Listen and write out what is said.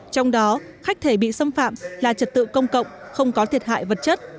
trong đó khách thể bị xâm phạm là trật tự công cộng không có thiệt hại vật chất